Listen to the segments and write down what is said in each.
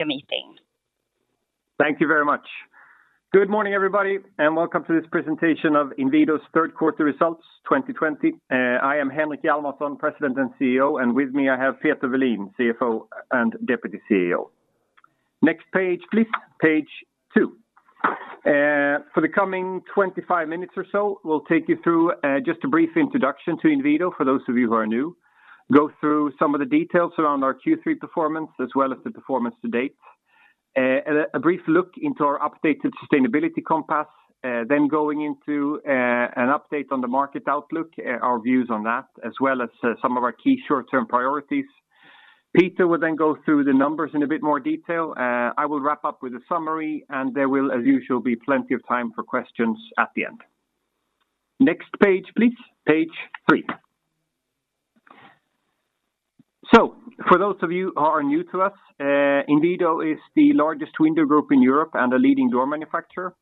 The meeting. Thank you very much. Good morning, everybody, and welcome to this presentation of Inwido's third quarter results 2020. I am Henrik Hjalmarsson, President and CEO. With me I have Peter Welin, CFO and Deputy CEO. Next page, please. page two. For the coming 25 minutes or so, we'll take you through just a brief introduction to Inwido for those of you who are new, go through some of the details around our Q3 performance, as well as the performance to date, a brief look into our updated sustainability compass, going into an update on the market outlook, our views on that, as well as some of our key short-term priorities. Peter will go through the numbers in a bit more detail. I will wrap up with a summary. There will, as usual, be plenty of time for questions at the end. Next page, please. page three. For those of you who are new to us, Inwido is the largest window group in Europe and a leading door manufacturer.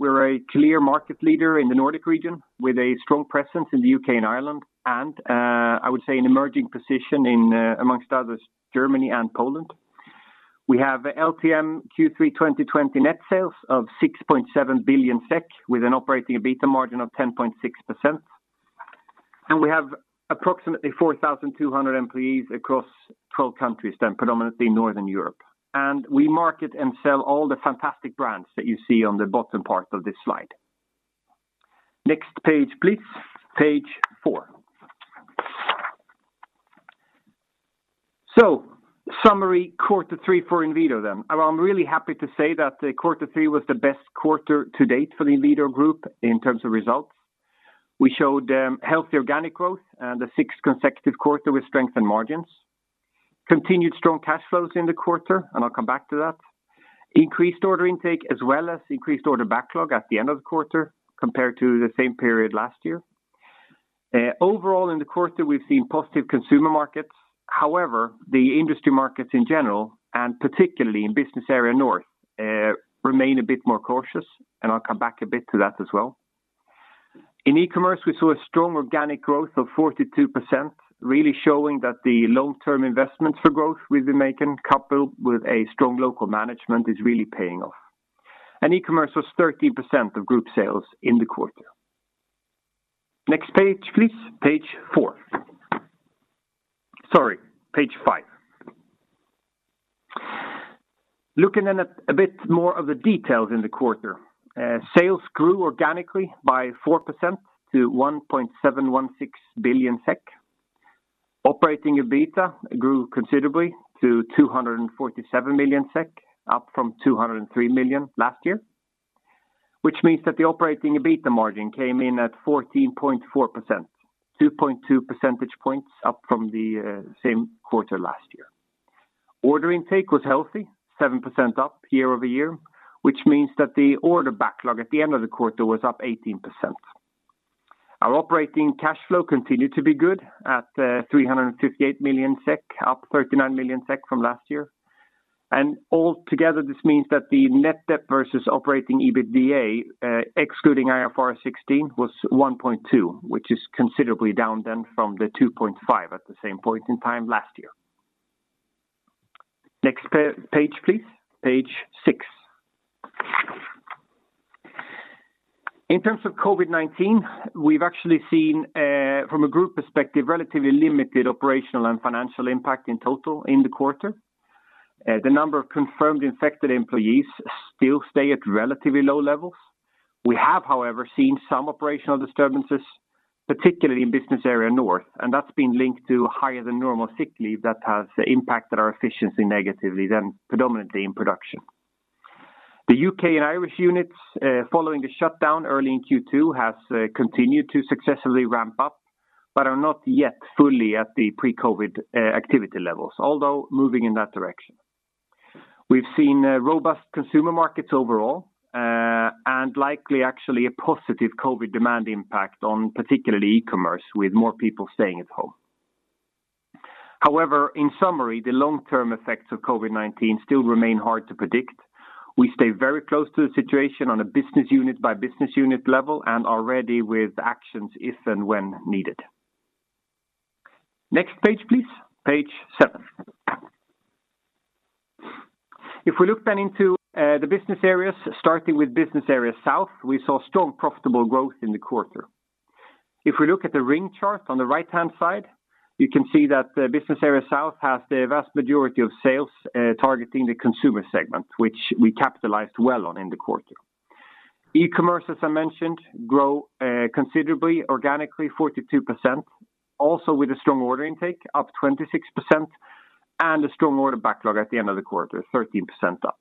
We're a clear market leader in the Nordic region with a strong presence in the U.K. and Ireland and, I would say, an emerging position in, amongst others, Germany and Poland. We have LTM Q3 2020 net sales of 6.7 billion SEK with an operating EBITDA margin of 10.6%. We have approximately 4,200 employees across 12 countries, then predominantly Northern Europe. We market and sell all the fantastic brands that you see on the bottom part of this slide. Next page, please. Page four. Summary, quarter three for Inwido then. I'm really happy to say that the quarter three was the best quarter to date for the Inwido group in terms of results. We showed healthy organic growth and the sixth consecutive quarter with strength and margins. Continued strong cash flows in the quarter. I'll come back to that. Increased order intake as well as increased order backlog at the end of the quarter compared to the same period last year. Overall, in the quarter, we've seen positive consumer markets. However, the industry markets in general, and particularly in Business Area North, remain a bit more cautious, and I'll come back a bit to that as well. In e-commerce, we saw a strong organic growth of 42%, really showing that the long-term investments for growth we've been making, coupled with a strong local management, is really paying off. E-commerce was 13% of group sales in the quarter. Next page, please. Page four. Sorry, page five. Looking at a bit more of the details in the quarter. Sales grew organically by 4% to 1.716 billion SEK. Operating EBITDA grew considerably to 247 million SEK, up from 203 million last year, which means that the operating EBITDA margin came in at 14.4%, 2.2 percentage points up from the same quarter last year. Order intake was healthy, 7% up year-over-year, which means that the order backlog at the end of the quarter was up 18%. Altogether, this means that the net debt versus operating EBITDA, excluding IFRS 16, was 1.2, which is considerably down then from the 2.5 at the same point in time last year. Next page, please. Page six. In terms of COVID-19, we've actually seen, from a group perspective, relatively limited operational and financial impact in total in the quarter. The number of confirmed infected employees still stay at relatively low levels. We have, however, seen some operational disturbances, particularly in Business Area North. That's been linked to higher than normal sick leave that has impacted our efficiency negatively, then predominantly in production. The U.K. and Irish units, following the shutdown early in Q2, have continued to successfully ramp up. Are not yet fully at the pre-COVID activity levels, although moving in that direction. We've seen robust consumer markets overall. Likely actually a positive COVID demand impact on particularly e-commerce, with more people staying at home. However, in summary, the long-term effects of COVID-19 still remain hard to predict. We stay very close to the situation on a business unit by business unit level and are ready with actions if and when needed. Next page, please. Page seven. If we look into the business areas, starting with Business Area South, we saw strong profitable growth in the quarter. If we look at the ring chart on the right-hand side, you can see that the Business Area South has the vast majority of sales targeting the consumer segment, which we capitalized well on in the quarter. E-commerce, as I mentioned, grow considerably organically 42%, also with a strong order intake up 26% and a strong order backlog at the end of the quarter, 13% up.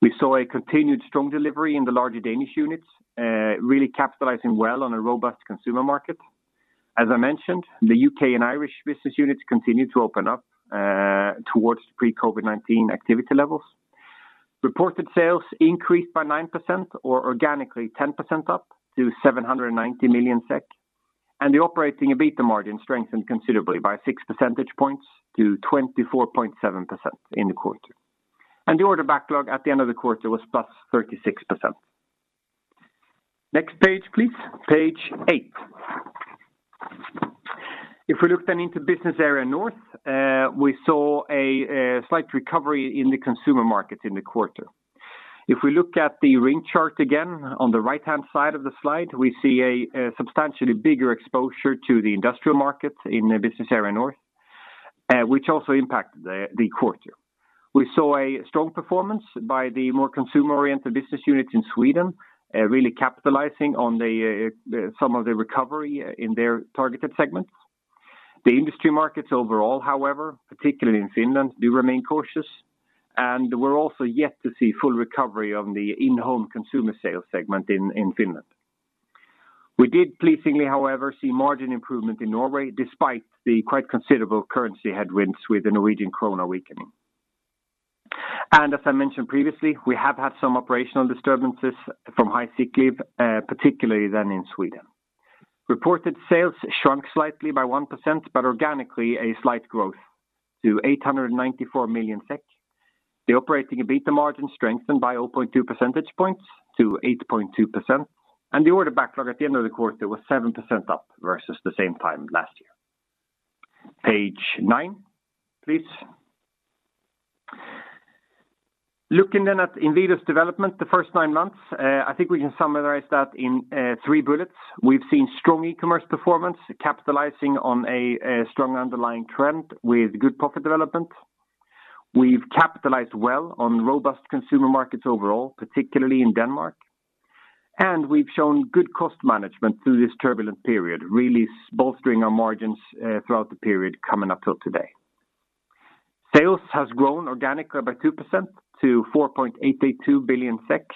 We saw a continued strong delivery in the larger Danish units, really capitalizing well on a robust consumer market. As I mentioned, the U.K. and Irish business units continue to open up towards pre-COVID-19 activity levels. Reported sales increased by 9% or organically 10% up to 790 million SEK. The operating EBITDA margin strengthened considerably by six percentage points to 24.7% in the quarter. The order backlog at the end of the quarter was +36%. Next page, please. Page eight. If we look then into Business Area North, we saw a slight recovery in the consumer market in the quarter. If we look at the ring chart again, on the right-hand side of the slide, we see a substantially bigger exposure to the industrial market in the Business Area North, which also impacted the quarter. We saw a strong performance by the more consumer-oriented business units in Sweden, really capitalizing on some of the recovery in their targeted segments. The industry markets overall, however, particularly in Finland, do remain cautious, and we're also yet to see full recovery of the in-home consumer sales segment in Finland. We did pleasingly, however, see margin improvement in Norway despite the quite considerable currency headwinds with the Norwegian kroner weakening. As I mentioned previously, we have had some operational disturbances from high sick leave, particularly in Sweden. Reported sales shrunk slightly by 1%, but organically a slight growth to 894 million SEK. The operating EBITA margin strengthened by 0.2 percentage points to 8.2%, and the order backlog at the end of the quarter was 7% up versus the same time last year. Page nine, please. Looking at Inwido's development the first nine months, I think we can summarize that in three bullets. We've seen strong e-commerce performance capitalizing on a strong underlying trend with good profit development. We've capitalized well on robust consumer markets overall, particularly in Denmark. We've shown good cost management through this turbulent period, really bolstering our margins throughout the period coming up till today. Sales has grown organically by 2% to 4.882 billion SEK,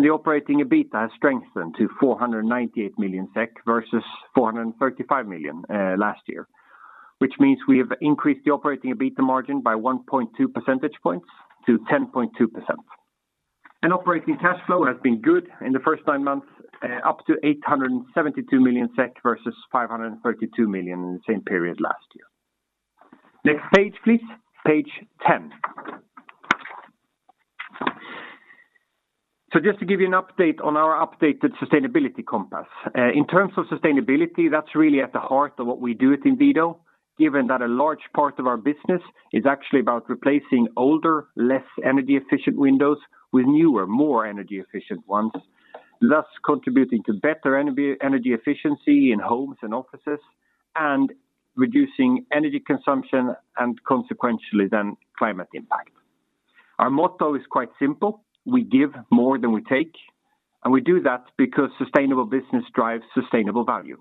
the operating EBITA has strengthened to 498 million SEK versus 435 million last year, which means we have increased the operating EBITA margin by 1.2 percentage points to 10.2%. Operating cash flow has been good in the first nine months, up to 872 million SEK versus 532 million in the same period last year. Next page, please, page 10. Just to give you an update on our updated sustainability compass. In terms of sustainability, that's really at the heart of what we do at Inwido, given that a large part of our business is actually about replacing older, less energy-efficient windows with newer, more energy-efficient ones, thus contributing to better energy efficiency in homes and offices and reducing energy consumption and consequentially, then, climate impact. Our motto is quite simple: We give more than we take, and we do that because sustainable business drives sustainable value.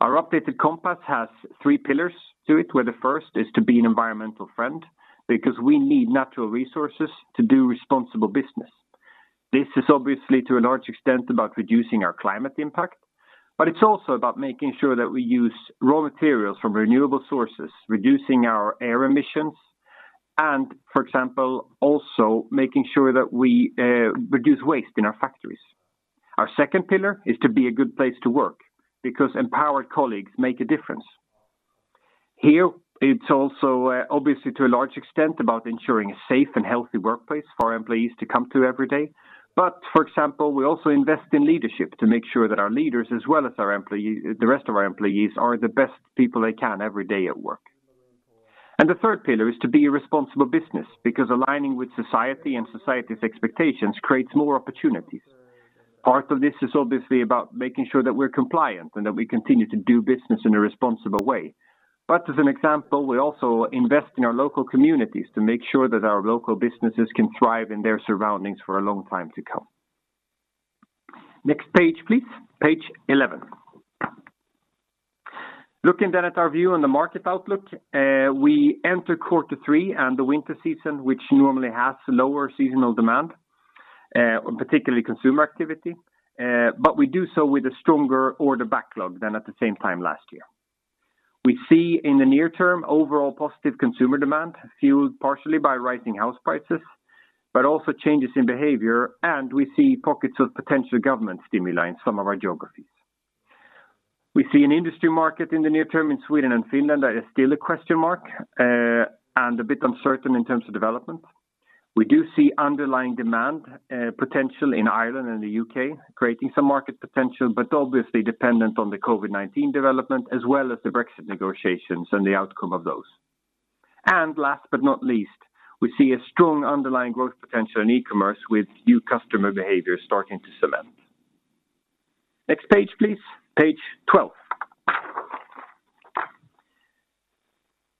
Our updated compass has three pillars to it, where the first is to be an environmental friend because we need natural resources to do responsible business. This is obviously to a large extent about reducing our climate impact, but it's also about making sure that we use raw materials from renewable sources, reducing our air emissions, and for example, also making sure that we reduce waste in our factories. Our second pillar is to be a good place to work because empowered colleagues make a difference. Here, it's also obviously to a large extent about ensuring a safe and healthy workplace for our employees to come to every day. For example, we also invest in leadership to make sure that our leaders, as well as the rest of our employees, are the best people they can every day at work. The third pillar is to be a responsible business because aligning with society and society's expectations creates more opportunities. Part of this is obviously about making sure that we're compliant and that we continue to do business in a responsible way. As an example, we also invest in our local communities to make sure that our local businesses can thrive in their surroundings for a long time to come. Next page, please, page 11. Looking then at our view on the market outlook, we enter Q3 and the winter season, which normally has lower seasonal demand, particularly consumer activity, but we do so with a stronger order backlog than at the same time last year. We see in the near term overall positive consumer demand fueled partially by rising house prices, but also changes in behavior, and we see pockets of potential government stimuli in some of our geographies. We see an industry market in the near term in Sweden and Finland that is still a question mark and a bit uncertain in terms of development. We do see underlying demand potential in Ireland and the U.K., creating some market potential, but obviously dependent on the COVID-19 development as well as the Brexit negotiations and the outcome of those. Last but not least, we see a strong underlying growth potential in e-commerce with new customer behavior starting to cement. Next page, please, page 12.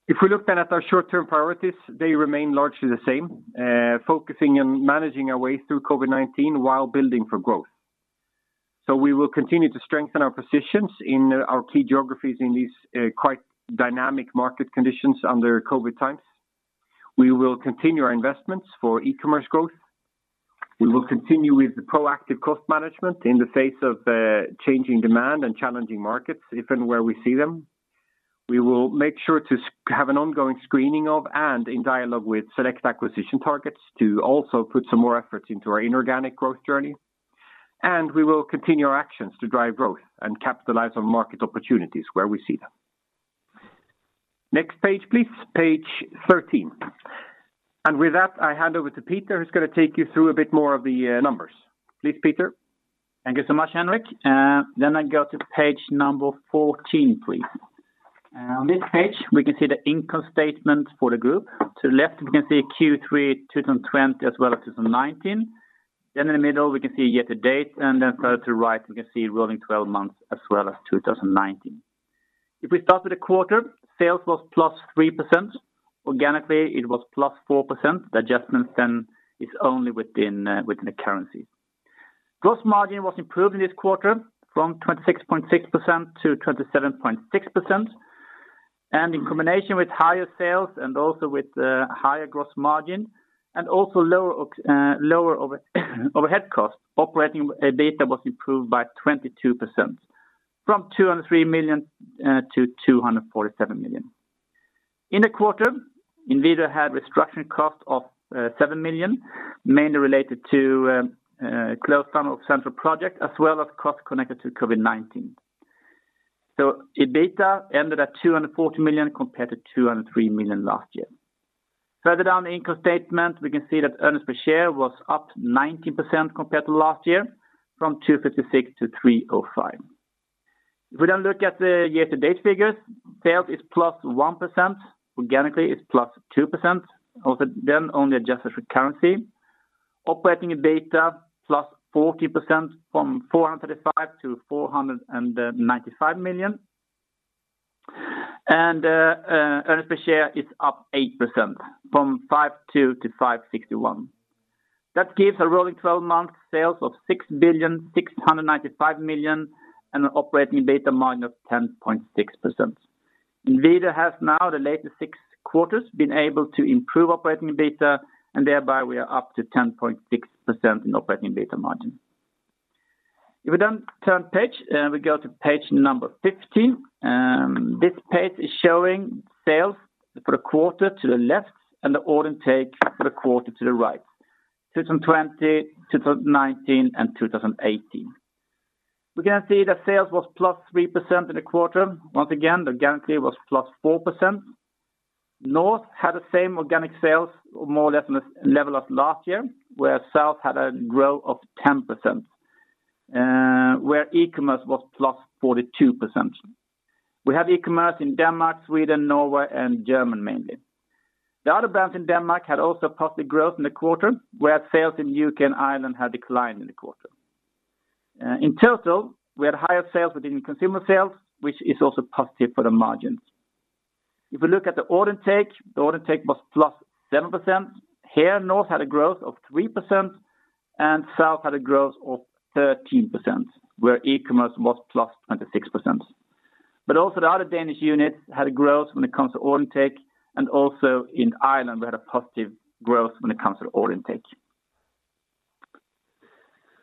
If we look at our short-term priorities, they remain largely the same, focusing on managing our way through COVID-19 while building for growth. We will continue to strengthen our positions in our key geographies in these quite dynamic market conditions under COVID times. We will continue our investments for e-commerce growth. We will continue with the proactive cost management in the face of the changing demand and challenging markets, if and where we see them. We will make sure to have an ongoing screening of and in dialogue with select acquisition targets to also put some more efforts into our inorganic growth journey. We will continue our actions to drive growth and capitalize on market opportunities where we see them. Next page, please. Page 13. With that, I hand over to Peter, who's going to take you through a bit more of the numbers. Please, Peter. Thank you so much, Henrik. I go to page number 14, please. On this page, we can see the income statement for the group. To the left, we can see Q3 2020 as well as 2019. In the middle, we can see year to date, and then further to right, we can see rolling 12 months as well as 2019. If we start with the quarter, sales was plus 3%. Organically, it was plus 4%. The adjustment then is only within the currency. Gross margin was improved this quarter from 26.6% to 27.6%. In combination with higher sales and also with higher gross margin and also lower overhead cost, operating EBITDA was improved by 22%, from 203-247 million. In the quarter, Inwido had restructuring cost of 7 million, mainly related to closed some of central project as well as cost connected to COVID-19. EBITDA ended at 240 million compared to 203 million last year. Further down the income statement, we can see that earnings per share was up 19% compared to last year, from 256-305. If we then look at the year-to-date figures, sales is +1%. Organically, it's +2%, also then only adjusted for currency. Operating EBITDA +40% from 435-495 million. Earnings per share is up 8%, from 52-561. That gives a rolling 12-month sales of 6.695 billion and operating EBITDA margin of 10.6%. Inwido has now the latest six quarters been able to improve operating EBITDA, and thereby we are up to 10.6% in operating EBITDA margin. If we then turn page, we go to page number 15. This page is showing sales for the quarter to the left and the order take for the quarter to the right, 2020, 2019, and 2018. We can see that sales was +3% in the quarter. Once again, the organic was +4%. North had the same organic sales, more or less in the level of last year, where South had a growth of 10%, where e-commerce was +42%. We have e-commerce in Denmark, Sweden, Norway, and Germany mainly. The other brands in Denmark had also positive growth in the quarter, where sales in U.K. and Ireland had declined in the quarter. In total, we had higher sales within consumer sales, which is also positive for the margins. If we look at the order take, the order take was +7%. North had a growth of 3% and South had a growth of 13%, where e-commerce was +26%. Also the other Danish unit had a growth when it comes to order intake. Also in Ireland, we had a positive growth when it comes to order intake.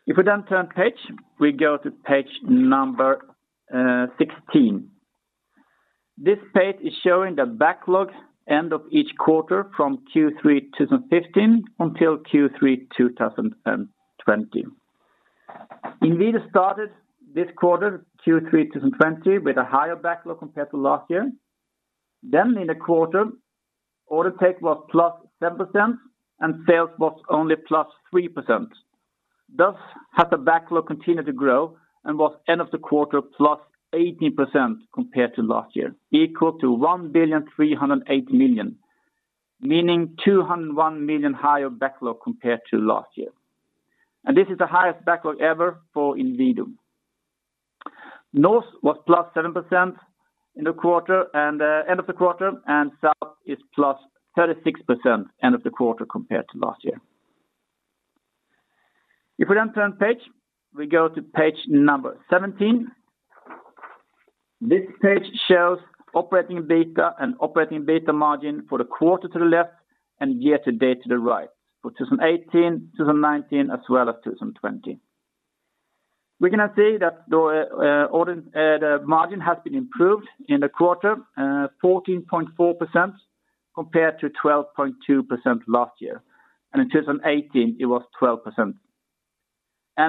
If we then turn page, we go to page number 16. This page is showing the backlog end of each quarter from Q3 2015 until Q3 2020. Inwido started this quarter, Q3 2020, with a higher backlog compared to last year. In the quarter, order take was +7% and sales was only +3%. Had the backlog continued to grow and was end of the quarter +18% compared to last year, equal to 1,308 million, meaning 201 million higher backlog compared to last year. This is the highest backlog ever for Inwido. North was +7% end of the quarter, and South is +36% end of the quarter compared to last year. We turn page, we go to page number 17. This page shows operating EBITDA and operating EBITDA margin for the quarter to the left and year to date to the right for 2018, 2019, as well as 2020. We can now see that the margin has been improved in the quarter, 14.4% compared to 12.2% last year. In 2018, it was 12%.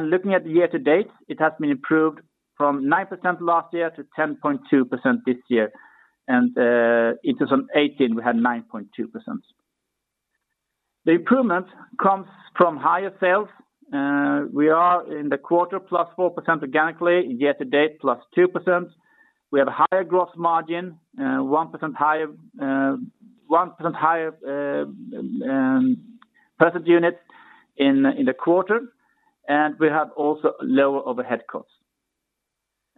Looking at the year to date, it has been improved from 9% last year to 10.2% this year. In 2018, we had 9.2%. The improvement comes from higher sales. We are in the quarter +4% organically, year to date +2%. We have a higher gross margin, 1% higher per unit in the quarter. We have also lower overhead costs.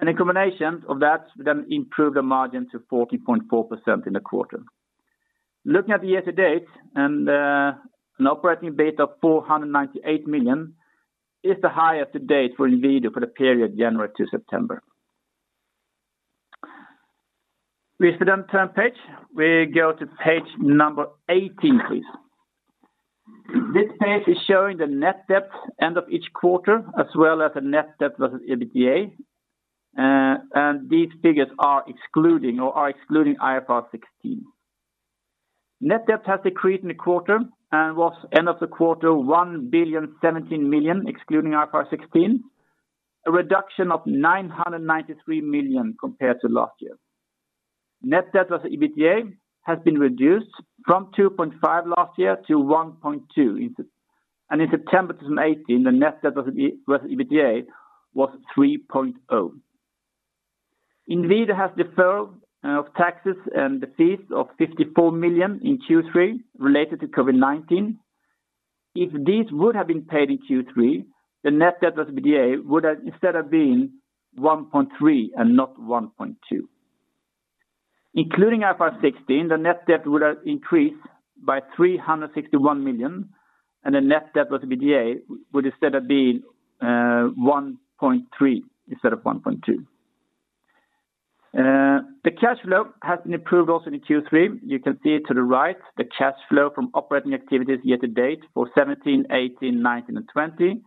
In combination of that, we then improve the margin to 14.4% in the quarter. Looking at the year to date and an operating EBITDA of 498 million is the highest to date for Inwido for the period January to September. If we then turn page, we go to page number 18, please. This page is showing the net debt end of each quarter as well as the net debt versus EBITDA, and these figures are excluding IFRS 16. Net debt has decreased in the quarter and was end of the quarter 1.017 billion, excluding IFRS 16, a reduction of 993 million compared to last year. Net debt versus EBITDA has been reduced from 2.5 last year to 1.2, and in September 2018, the net debt versus EBITDA was 3.0. Inwido has deferred of taxes and the fees of 54 million in Q3 related to COVID-19. If these would have been paid in Q3, the net debt versus EBITDA would have instead of being 1.3 and not 1.2. Including IFRS 16, the net debt would have increased by 361 million and the net debt versus EBITDA would instead of being 1.3 instead of 1.2. The cash flow has been improved also in Q3. You can see it to the right, the cash flow from operating activities year to date for 2017, 2018, 2019, and 2020.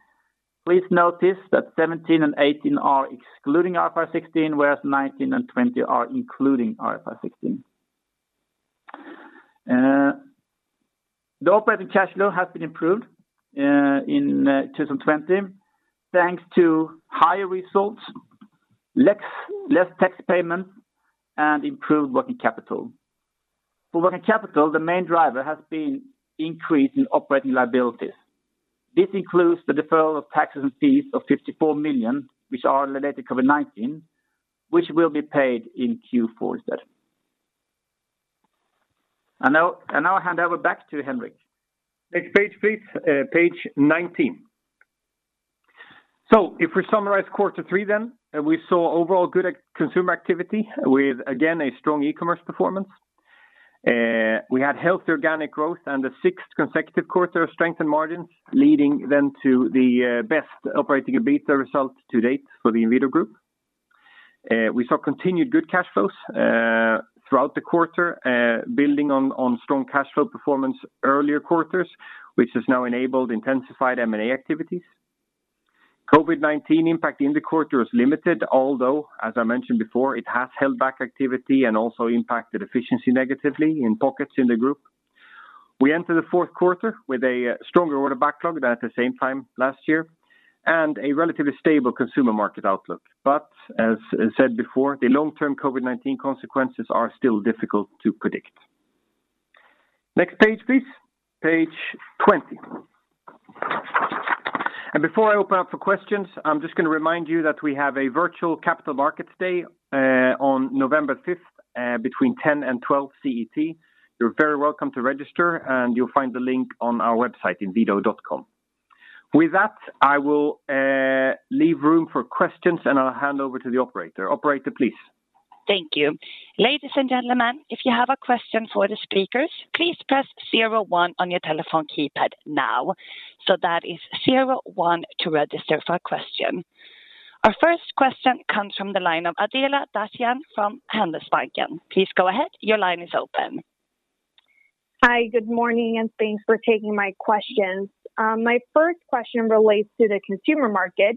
Please notice that 2017 and 2018 are excluding IFRS 16, whereas 2019 and 2020 are including IFRS 16. The operating cash flow has been improved in 2020, thanks to higher results, less tax payments, and improved working capital. For working capital, the main driver has been increase in operating liabilities. This includes the deferral of taxes and fees of 54 million, which are related to COVID-19, which will be paid in Q4 instead. Now I hand over back to Henrik. Next page, please, page 19. If we summarize quarter three, we saw overall good consumer activity with, again, a strong e-commerce performance. We had healthy organic growth and the sixth consecutive quarter of strength and margins, leading to the best operating EBITDA results to date for the Inwido Group. We saw continued good cash flows throughout the quarter, building on strong cash flow performance earlier quarters, which has now enabled intensified M&A activities. COVID-19 impact in the quarter is limited, although as I mentioned before, it has held back activity and also impacted efficiency negatively in pockets in the Group. We enter the Q4 with a stronger order backlog than at the same time last year, and a relatively stable consumer market outlook. As said before, the long-term COVID-19 consequences are still difficult to predict. Next page, please, page 20. Before I open up for questions, I'm just going to remind you that we have a virtual capital markets day on November 5th between 10:00 and 12:00 CET. You're very welcome to register, and you'll find the link on our website, inwido.com. With that, I will leave room for questions and I'll hand over to the operator. Operator, please. Thank you. Ladies and gentlemen, if you have a question for the speakers, please press zero one on your telephone keypad now. That is zero one to register for a question. Our first question comes from the line of Adela Dashian from Handelsbanken. Please go ahead. Your line is open. Hi, good morning, and thanks for taking my questions. My first question relates to the consumer market.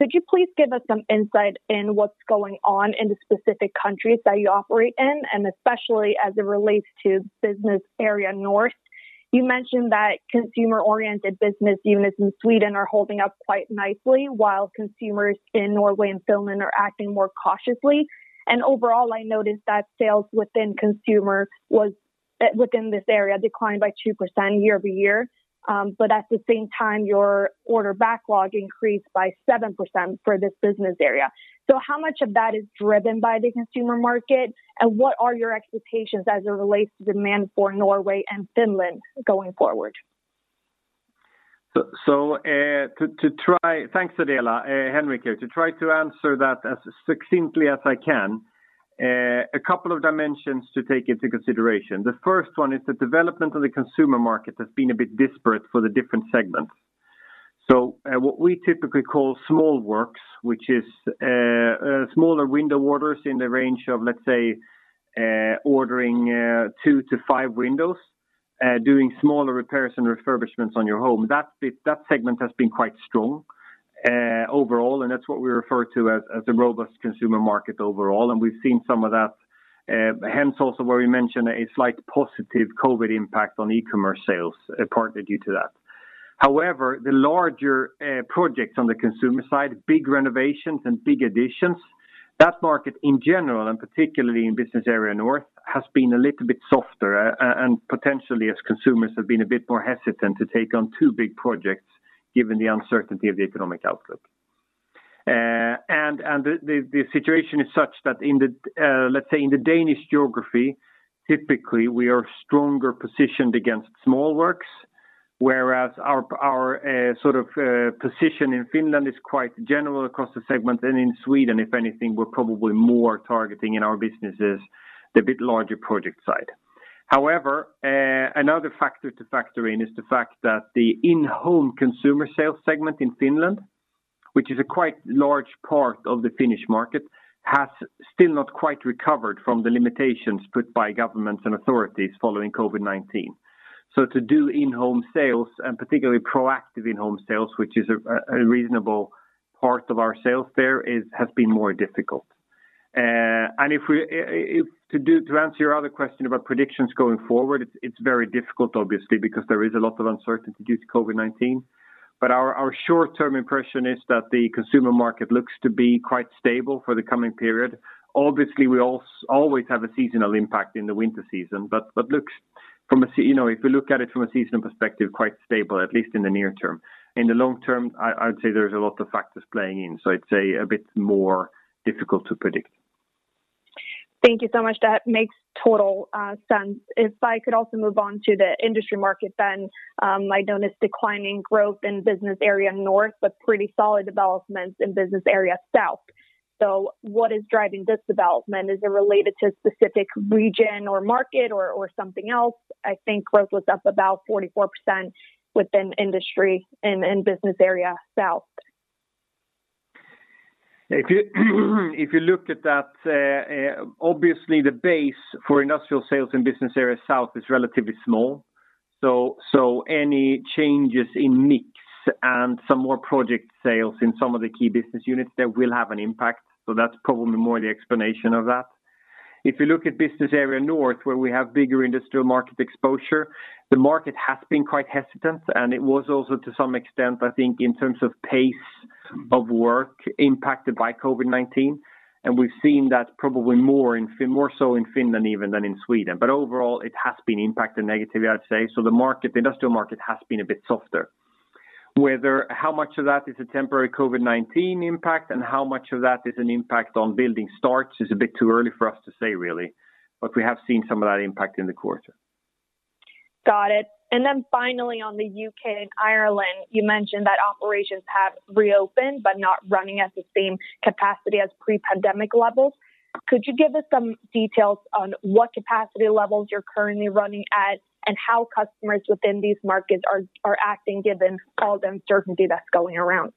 Could you please give us some insight in what's going on in the specific countries that you operate in, and especially as it relates to Business Area North? You mentioned that consumer-oriented business units in Sweden are holding up quite nicely while consumers in Norway and Finland are acting more cautiously. Overall, I noticed that sales within consumer within this area declined by 2% year-over-year. At the same time, your order backlog increased by 7% for this Business Area. How much of that is driven by the consumer market, and what are your expectations as it relates to demand for Norway and Finland going forward? Thanks, Adela Dashian. Henrik here. To try to answer that as succinctly as I can, a couple of dimensions to take into consideration. The first one is the development of the consumer market has been a bit disparate for the different segments. What we typically call small works, which is smaller window orders in the range of, let's say, ordering two to five windows, doing smaller repairs and refurbishments on your home. That segment has been quite strong overall, and that's what we refer to as a robust consumer market overall, and we've seen some of that hence also where we mentioned a slight positive COVID-19 impact on e-commerce sales, partly due to that. The larger projects on the consumer side, big renovations and big additions, that market in general and particularly in Business Area North, has been a little bit softer and potentially as consumers have been a bit more hesitant to take on too big projects given the uncertainty of the economic outlook. The situation is such that in the Danish geography, typically we are stronger positioned against small works, whereas our position in Finland is quite general across the segment. In Sweden, if anything, we're probably more targeting in our businesses, the bit larger project side. Another factor to factor in is the fact that the in-home consumer sales segment in Finland, which is a quite large part of the Finnish market, has still not quite recovered from the limitations put by governments and authorities following COVID-19. To do in-home sales and particularly proactive in-home sales, which is a reasonable part of our sales there, has been more difficult. To answer your other question about predictions going forward, it's very difficult obviously, because there is a lot of uncertainty due to COVID-19. Our short-term impression is that the consumer market looks to be quite stable for the coming period. Obviously, we always have a seasonal impact in the winter season, but if we look at it from a seasonal perspective, quite stable, at least in the near term. In the long term, I would say there's a lot of factors playing in, so it's a bit more difficult to predict. Thank you so much. That makes total sense. I could also move on to the industry market then, I noticed declining growth in Business Area North, but pretty solid developments in Business Area South. What is driving this development? Is it related to a specific region or market or something else? I think growth was up about 44% within industry in Business Area South. If you looked at that, obviously the base for industrial sales in Business Area South is relatively small, so any changes in mix and some more project sales in some of the key business units there will have an impact. That's probably more the explanation of that. If you look at Business Area North, where we have bigger industrial market exposure, the market has been quite hesitant, and it was also to some extent, I think, in terms of pace of work impacted by COVID-19, and we've seen that probably more so in Finland even than in Sweden. Overall, it has been impacted negatively, I'd say. The industrial market has been a bit softer. How much of that is a temporary COVID-19 impact and how much of that is an impact on building starts is a bit too early for us to say, really. We have seen some of that impact in the quarter. Got it. Finally on the U.K. and Ireland, you mentioned that operations have reopened, but not running at the same capacity as pre-pandemic levels. Could you give us some details on what capacity levels you're currently running at and how customers within these markets are acting given all the uncertainty that's going around?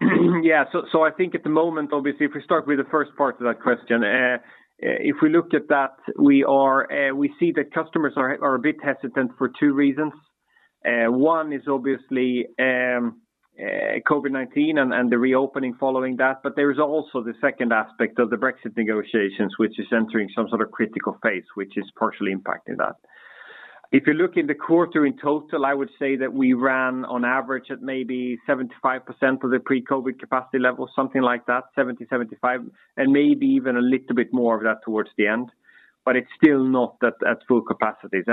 Yeah. I think at the moment, obviously, if we start with the first part of that question, if we looked at that, we see that customers are a bit hesitant for two reasons. One is obviously COVID-19 and the reopening following that, but there is also the second aspect of the Brexit negotiations, which is entering some sort of critical phase, which is partially impacting that. If you look in the quarter in total, I would say that we ran on average at maybe 75% of the pre-COVID capacity level, something like that, 70%, 75%, and maybe even a little bit more of that towards the end. It's still not at full capacities.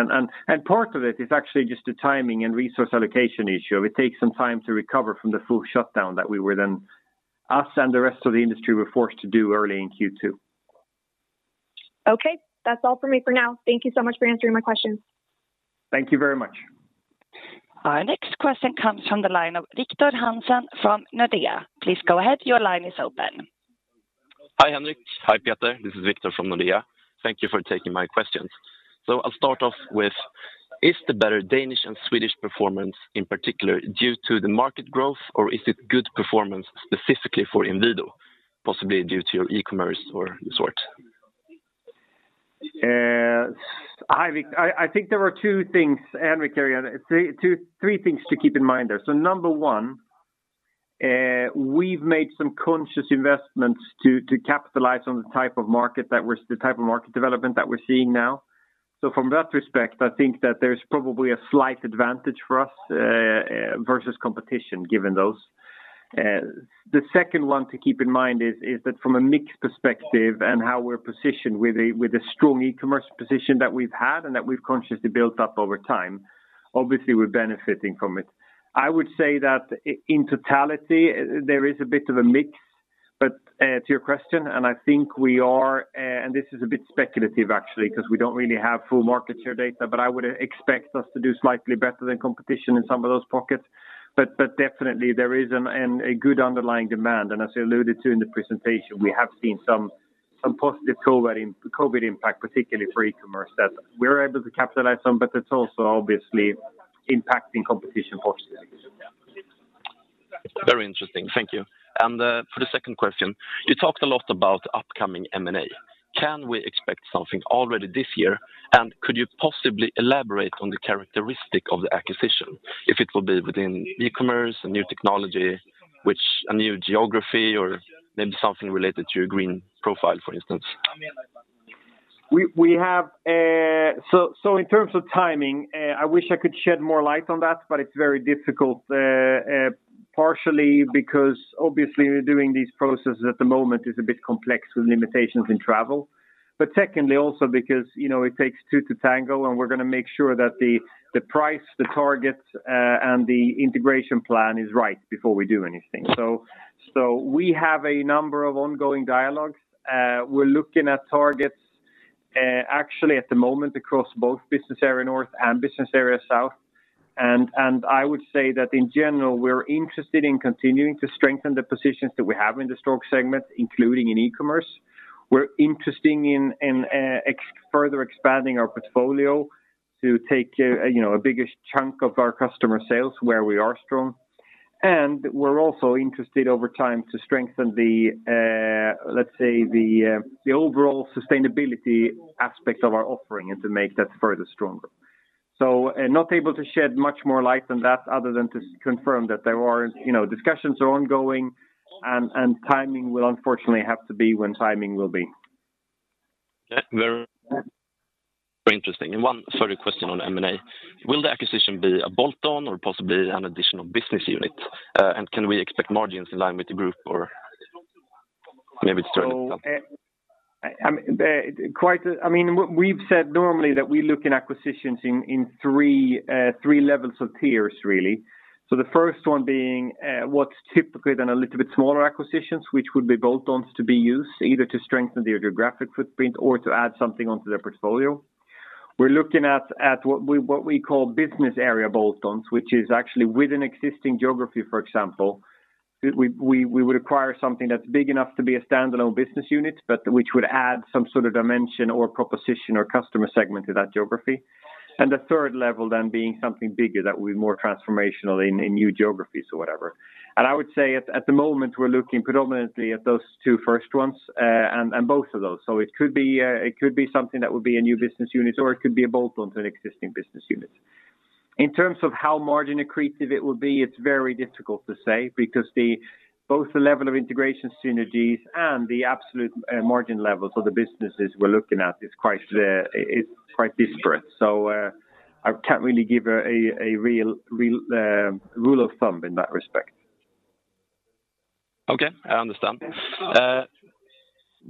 Part of it is actually just a timing and resource allocation issue. It takes some time to recover from the full shutdown that us and the rest of the industry were forced to do early in Q2. That's all for me for now. Thank you so much for answering my questions. Thank you very much. Our next question comes from the line of Victor Hansen from Nordea. Please go ahead. Your line is open. Hi, Henrik. Hi, Peter. This is Victor from Nordea. Thank you for taking my questions. I'll start off with, is the better Danish and Swedish performance in particular due to the market growth, or is it good performance specifically for Inwido, possibly due to your e-commerce or the sort? Hi, Victor. I think there were three things to keep in mind there. Number one, we've made some conscious investments to capitalize on the type of market development that we're seeing now. From that respect, I think that there's probably a slight advantage for us versus competition, given those. The second one to keep in mind is that from a mix perspective and how we're positioned with the strong e-commerce position that we've had and that we've consciously built up over time, obviously we're benefiting from it. I would say that in totality, there is a bit of a mix. To your question, and this is a bit speculative actually because we don't really have full market share data, but I would expect us to do slightly better than competition in some of those pockets. Definitely there is a good underlying demand, and as I alluded to in the presentation, we have seen some positive COVID impact, particularly for e-commerce, that we're able to capitalize on, but that's also obviously impacting competition positively. Very interesting. Thank you. For the second question, you talked a lot about upcoming M&A. Can we expect something already this year? Could you possibly elaborate on the characteristic of the acquisition, if it will be within e-commerce, a new technology, a new geography or maybe something related to your green profile, for instance? In terms of timing, I wish I could shed more light on that, but it's very difficult, partially because obviously doing these processes at the moment is a bit complex with limitations in travel. Secondly, also because it takes two to tango, and we're going to make sure that the price, the target, and the integration plan is right before we do anything. We have a number of ongoing dialogues. We're looking at targets actually at the moment across both Business Area North and Business Area South, and I would say that in general, we're interested in continuing to strengthen the positions that we have in the store segment, including in e-commerce. We're interested in further expanding our portfolio to take a bigger chunk of our customer sales where we are strong. We're also interested over time to strengthen the overall sustainability aspect of our offering and to make that further stronger. Not able to shed much more light than that, other than to confirm that discussions are ongoing and timing will unfortunately have to be when timing will be. Very interesting. One further question on M&A. Will the acquisition be a bolt-on or possibly an additional business unit? Can we expect margins in line with the group or maybe it's early to tell? We've said normally that we look in acquisitions in three levels of tiers really. The first one being what's typically then a little bit smaller acquisitions, which would be bolt-ons to be used either to strengthen the geographic footprint or to add something onto their portfolio. We're looking at what we call business area bolt-ons, which is actually with an existing geography, for example, we would acquire something that's big enough to be a standalone business unit, but which would add some sort of dimension or proposition or customer segment to that geography. The third level then being something bigger that will be more transformational in new geographies or whatever. I would say at the moment, we're looking predominantly at those two first ones and both of those. It could be something that would be a new business unit or it could be a bolt-on to an existing business unit. In terms of how margin accretive it will be, it is very difficult to say because both the level of integration synergies and the absolute margin levels of the businesses we are looking at is quite disparate. I cannot really give a real rule of thumb in that respect. Okay, I understand.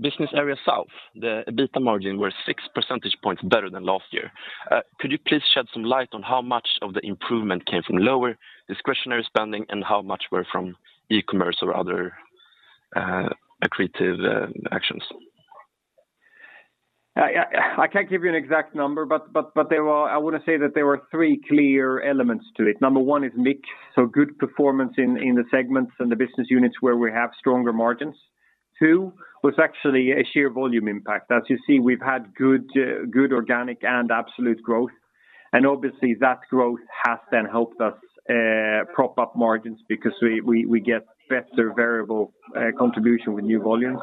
Business Area South, the EBITDA margin were six percentage points better than last year. Could you please shed some light on how much of the improvement came from lower discretionary spending and how much were from e-commerce or other accretive actions? I can't give you an exact number, but I want to say that there were three clear elements to it. Number one is mix, so good performance in the segments and the business units where we have stronger margins. Two was actually a sheer volume impact. As you see, we've had good organic and absolute growth. Obviously that growth has then helped us prop up margins because we get better variable contribution with new volumes.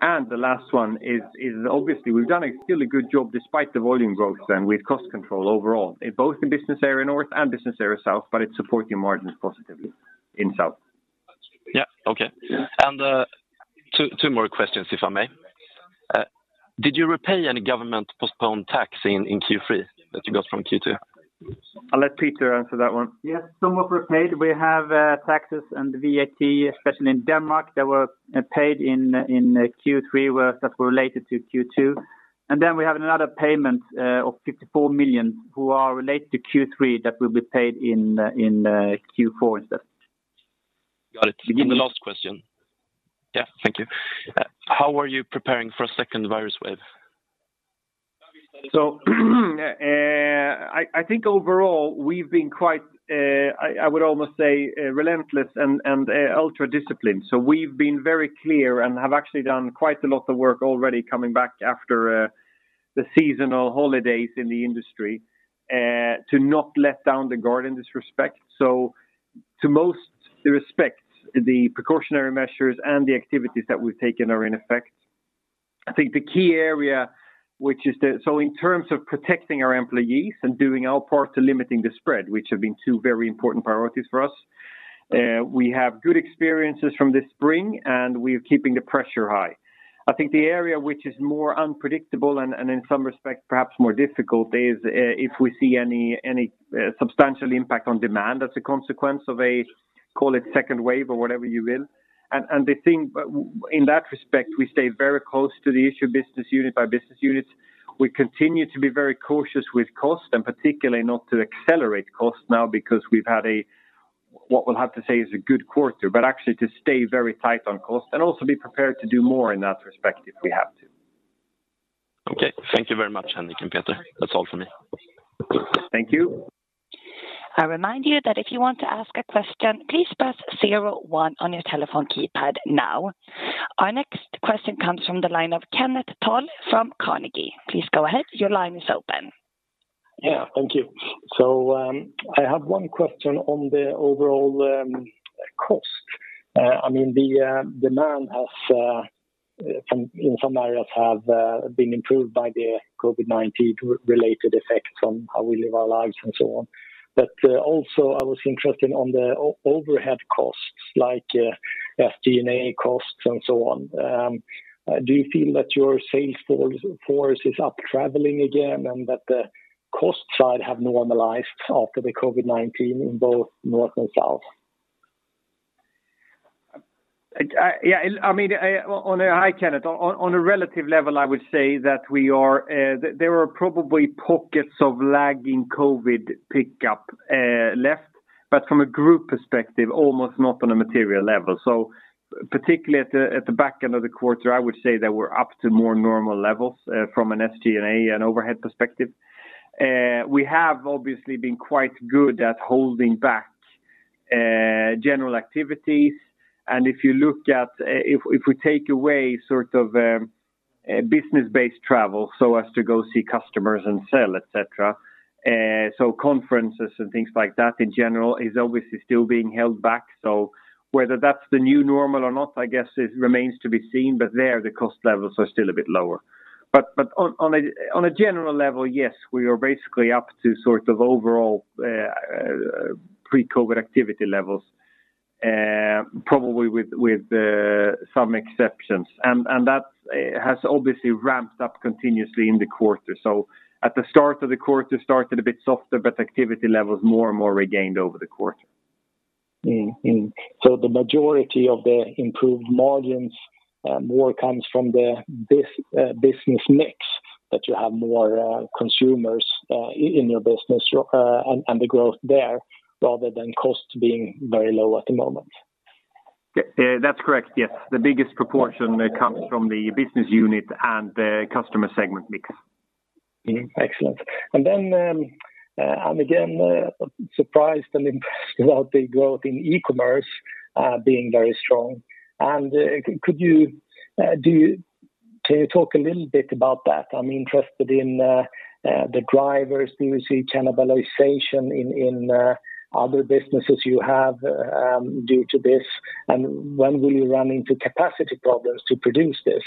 The last one is obviously we've done still a good job despite the volume growth then with cost control overall in both the Business Area North and Business Area South, but it's supporting margins positively in South. Yeah. Okay. Two more questions, if I may. Did you repay any government postponed tax in Q3 that you got from Q2? I'll let Peter answer that one. Yes. Some were repaid. We have taxes and VAT, especially in Denmark, that were paid in Q3 that were related to Q2. We have another payment of 54 million that are related to Q3 that will be paid in Q4 instead. Got it. The last question. Yeah, thank you. How are you preparing for a second virus wave? I think overall we've been quite, I would almost say, relentless and ultra-disciplined. We've been very clear and have actually done quite a lot of work already coming back after the seasonal holidays in the industry to not let down the guard in this respect. To most respects, the precautionary measures and the activities that we've taken are in effect. I think the key area, in terms of protecting our employees and doing our part to limiting the spread, which have been two very important priorities for us, we have good experiences from this spring and we're keeping the pressure high. I think the area which is more unpredictable and in some respects perhaps more difficult is if we see any substantial impact on demand as a consequence of a, call it second wave or whatever you will. The thing in that respect, we stay very close to the issue business unit by business unit. We continue to be very cautious with cost and particularly not to accelerate cost now because we've had a, what we'll have to say is a good quarter, but actually to stay very tight on cost and also be prepared to do more in that respect if we have to. Okay. Thank you very much, Henrik and Peter. That's all for me. Thank you. I remind you that if you want to ask a question, please press zero, one on your telephone keypad now. Our next question comes from the line of Kenneth Toll from Carnegie. Please go ahead. Yeah. Thank you. I have one question on the overall cost. The demand in some areas has been improved by the COVID-19 related effects on how we live our lives and so on. Also. I was interested on the overhead costs like SG&A costs and so on. Do you feel that your sales force is up traveling again and that the cost side have normalized after the COVID-19 in both North and South? Hi, Kenneth. On a relative level, I would say that there are probably pockets of lagging COVID-19 pickup left, but from a group perspective, almost not on a material level. Particularly at the back end of the quarter, I would say that we're up to more normal levels from an SG&A and overhead perspective. We have obviously been quite good at holding back general activities, and if we take away sort of business-based travel so as to go see customers and sell, et cetera, so conferences and things like that in general is obviously still being held back. Whether that's the new normal or not, I guess it remains to be seen, but there the cost levels are still a bit lower. On a general level, yes, we are basically up to sort of overall pre-COVID-19 activity levels. Probably with some exceptions. That has obviously ramped up continuously in the quarter. At the start of the quarter, started a bit softer, but activity levels more and more regained over the quarter. The majority of the improved margins more comes from the business mix that you have more consumers in your business and the growth there, rather than costs being very low at the moment? That's correct. Yes. The biggest proportion comes from the business unit and the customer segment mix. Mm-hmm. Excellent. Then, I'm again surprised and impressed about the growth in e-commerce being very strong. Can you talk a little bit about that? I'm interested in the drivers. Do you see cannibalization in other businesses you have due to this? When will you run into capacity problems to produce this?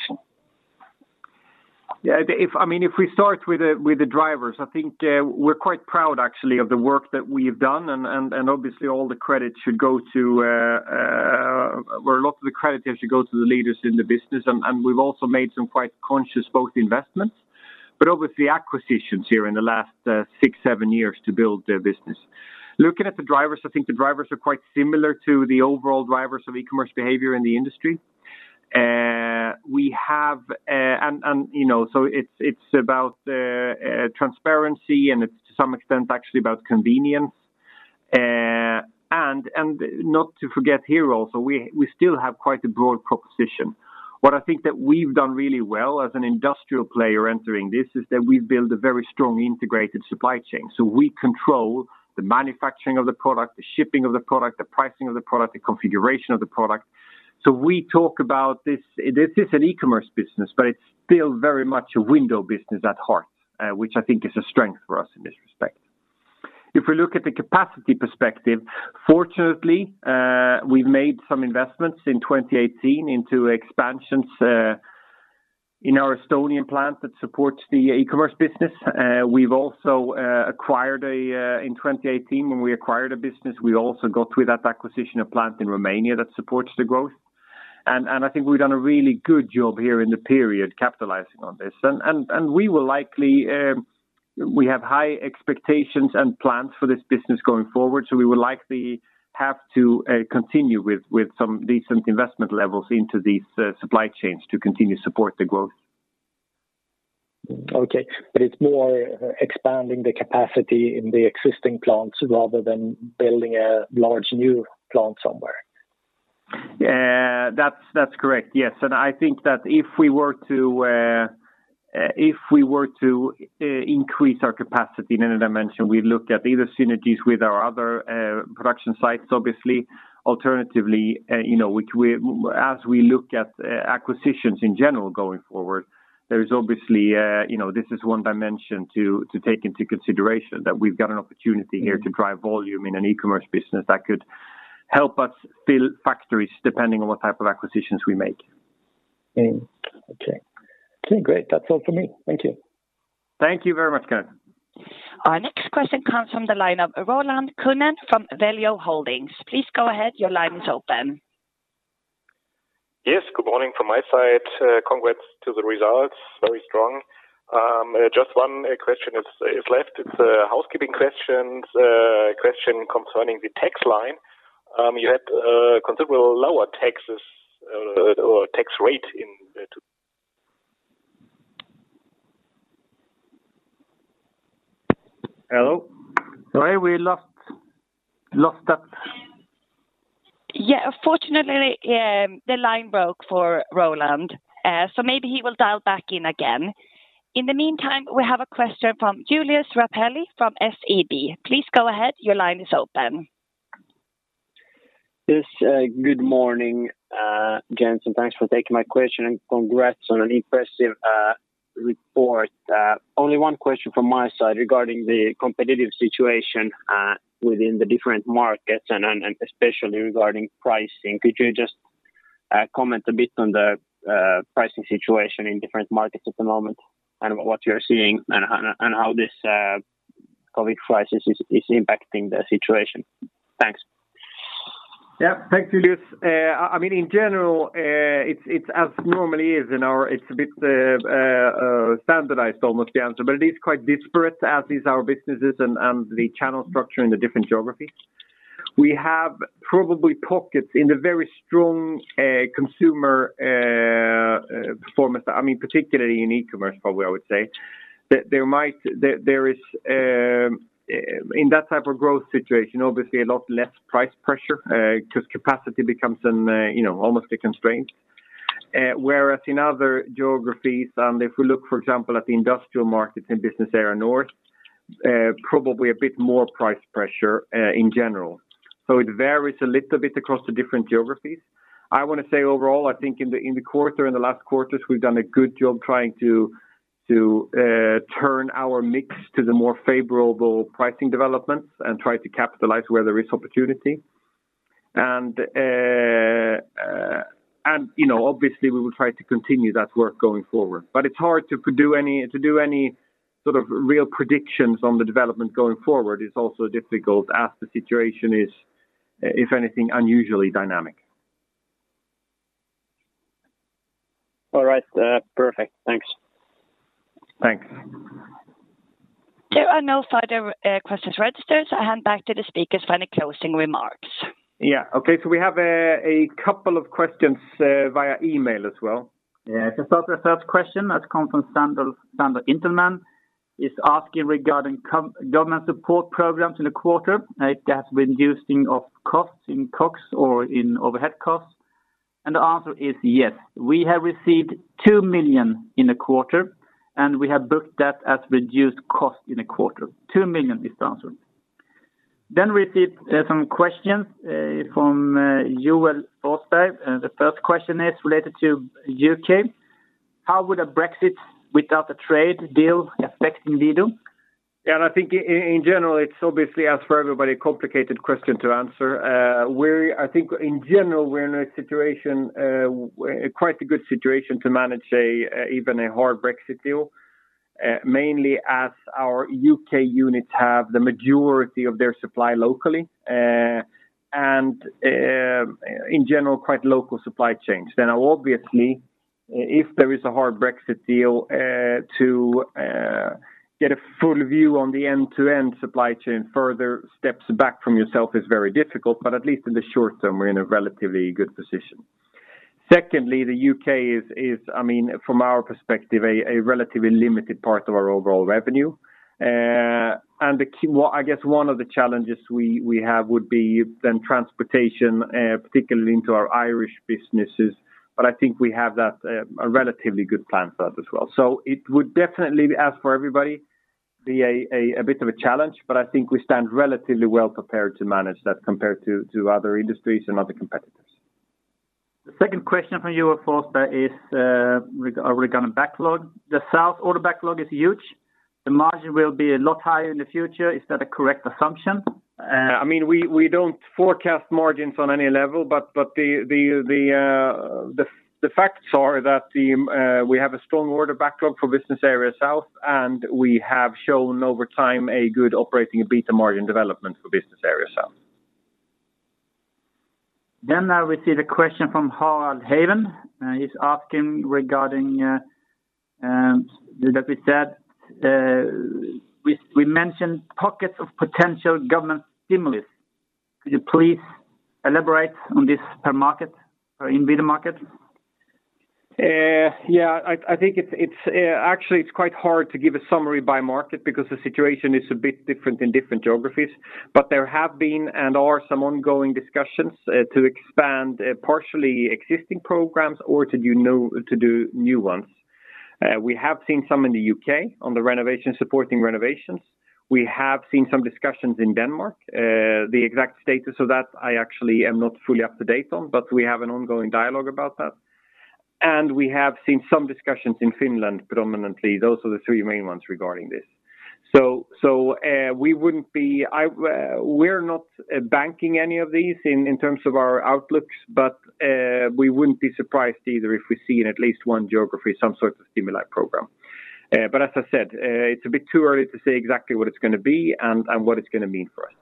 If we start with the drivers, I think we're quite proud actually of the work that we've done. Obviously, a lot of the credit should go to the leaders in the business. We've also made some quite conscious, both investments, but obviously acquisitions here in the last six, seven years to build the business. Looking at the drivers, I think the drivers are quite similar to the overall drivers of e-commerce behavior in the industry. It's about transparency and it's to some extent actually about convenience. Not to forget here also, we still have quite a broad proposition. What I think that we've done really well as an industrial player entering this is that we've built a very strong integrated supply chain. We control the manufacturing of the product, the shipping of the product, the pricing of the product, the configuration of the product. This is an e-commerce business, but it's still very much a window business at heart, which I think is a strength for us in this respect. If we look at the capacity perspective, fortunately, we've made some investments in 2018 into expansions in our Estonian plant that supports the e-commerce business. In 2018 when we acquired a business, we also got with that acquisition, a plant in Romania that supports the growth. I think we've done a really good job here in the period capitalizing on this. We have high expectations and plans for this business going forward, so we will likely have to continue with some decent investment levels into these supply chains to continue to support the growth. Okay. It's more expanding the capacity in the existing plants rather than building a large new plant somewhere? That's correct. Yes. I think that if we were to increase our capacity in any dimension, we'd look at either synergy with our other production sites, obviously. Alternatively, as we look at acquisitions in general going forward, this is one dimension to take into consideration that we've got an opportunity here to drive volume in an e-commerce business that could help us fill factories depending on what type of acquisitions we make. Okay, great. That's all for me. Thank you. Thank you very much, Kenneth. Our next question comes from the line of Roland Kunen from Veljo Holdings. Please go ahead. Your line is open. Yes, good morning from my side. Congrats to the results. Very strong. Just one question is left. It's a housekeeping question concerning the tax line. You had considerably lower taxes or tax rate in two Hello? Sorry, we lost that. Yeah. Unfortunately, the line broke for Roland, so maybe he will dial back in again. In the meantime, we have a question from Julius Rapelye from SEB. Please go ahead. Your line is open. Good morning, Jens, and thanks for taking my question and congrats on an impressive report. Only one question from my side regarding the competitive situation within the different markets and especially regarding pricing. Could you just comment a bit on the pricing situation in different markets at the moment and what you're seeing and how this COVID crisis is impacting the situation? Thanks. Yeah. Thanks, Julius. In general, it's as normally in ours. It's a bit standardized almost the answer, but it is quite disparate as is our businesses and the channel structure in the different geographies. We have probably pockets in the very strong consumer performance, particularly in e-commerce probably I would say. In that type of growth situation, obviously a lot less price pressure because capacity becomes almost a constraint. Whereas in other geographies, and if we look for example at the industrial markets in Business Area North, probably a bit more price pressure in general. It varies a little bit across the different geographies. I want to say overall, I think in the last quarters, we've done a good job trying to turn our mix to the more favorable pricing developments and try to capitalize where there is opportunity. Obviously we will try to continue that work going forward. It's hard to do any sort of real predictions on the development going forward. It's also difficult as the situation is, if anything, unusually dynamic. All right. Perfect. Thanks. Thanks. There are no further questions registered, so I hand back to the speakers for any closing remarks. Yeah. Okay, we have a couple of questions via email as well. The first question that come from Sandor Interman is asking regarding government support programs in the quarter. It has been reducing of costs in COGS or in overhead costs. The answer is yes. We have received 2 million in the quarter, we have booked that as reduced cost in the quarter. 2 million is the answer. We see some questions from Joel Forsberg. The first question is related to U.K. How would a Brexit without a trade deal affect Inwido? Yeah, I think in general, it's obviously, as for everybody, a complicated question to answer. I think in general, we're in quite a good situation to manage even a hard Brexit deal, mainly as our U.K. units have the majority of their supply locally, and in general, quite local supply chains. Now obviously, if there is a hard Brexit deal, to get a full view on the end-to-end supply chain, further steps back from yourself is very difficult, but at least in the short term, we're in a relatively good position. Secondly, the U.K. is, from our perspective, a relatively limited part of our overall revenue. I guess one of the challenges we have would be then transportation, particularly into our Irish businesses, but I think we have a relatively good plan for that as well. It would definitely, as for everybody, be a bit of a challenge, but I think we stand relatively well prepared to manage that compared to other industries and other competitors. The second question from Joel Forsberg is regarding backlog. The South order backlog is huge. The margin will be a lot higher in the future. Is that a correct assumption? We don't forecast margins on any level, but the facts are that we have a strong order backlog for Business Area South, and we have shown over time a good operating EBITDA margin development for Business Area South. I will see the question from Harald Haven. He's asking regarding that we mentioned pockets of potential government stimulus. Could you please elaborate on this per Inwido market? Yeah, I think actually it's quite hard to give a summary by market because the situation is a bit different in different geographies. There have been and are some ongoing discussions to expand partially existing programs or to do new ones. We have seen some in the U.K. on the supporting renovations. We have seen some discussions in Denmark. The exact status of that I actually am not fully up to date on, but we have an ongoing dialogue about that. We have seen some discussions in Finland predominantly. Those are the three main ones regarding this. We're not banking any of these in terms of our outlooks, but we wouldn't be surprised either if we see in at least one geography some sort of stimuli program. As I said, it's a bit too early to say exactly what it's going to be and what it's going to mean for us.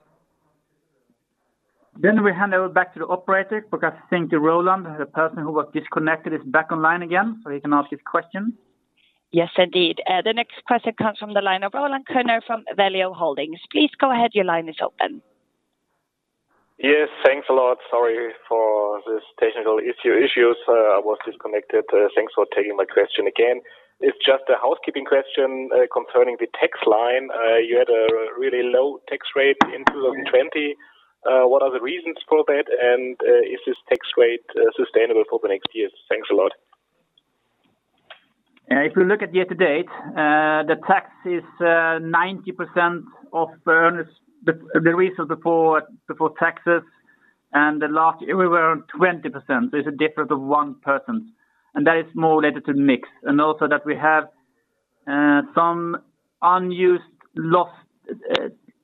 We hand over back to the operator because I think Roland, the person who was disconnected, is back online again, so he can ask his question. Yes, indeed. The next question comes from the line of Roland Koehler from Valeo Holdings. Please go ahead, your line is open. Yes, thanks a lot. Sorry for this technical issue. I was disconnected. Thanks for taking my question again. It's just a housekeeping question concerning the tax line. You had a really low tax rate in 2020. What are the reasons for that, and is this tax rate sustainable for the next years? Thanks a lot. If you look at year-to-date, the tax is 90% of earnings, the result before taxes, and the last year we were on 20%, so it's a difference of 1%, and that is more related to mix, and also that we have some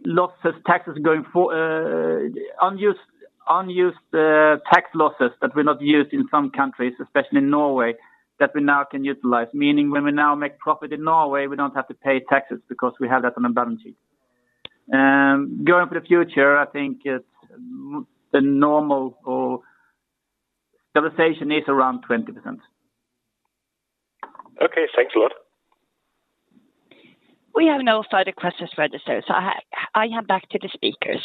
unused tax losses that were not used in some countries, especially in Norway, that we now can utilize, meaning when we now make profit in Norway, we don't have to pay taxes because we have that on our balance sheet. Going for the future, I think the normal conversation is around 20%. Okay, thanks a lot. We have no further questions registered, so I hand back to the speakers.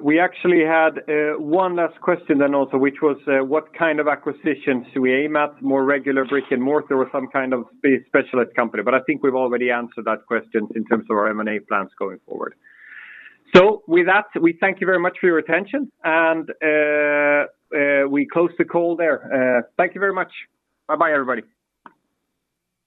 We actually had one last question then also, which was what kind of acquisitions do we aim at, more regular brick-and-mortar or some kind of specialized company? I think we've already answered that question in terms of our M&A plans going forward. With that, we thank you very much for your attention and we close the call there. Thank you very much. Bye-bye everybody.